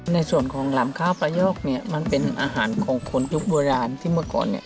ในส่วนของหลำข้าวประโยอกเนี่ยมันเป็นอาหารของคนยุคโบราณที่เมื่อก่อนเนี่ย